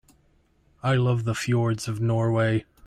I love the fjords of Norway.